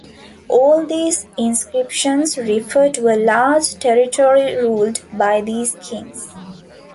All these inscriptions refer to a large territory ruled by these kings.